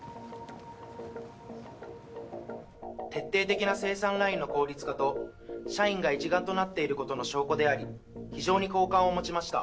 徹底的な生産ラインの効率化と社員が一丸となっていることの証拠であり非常に好感を持ちました。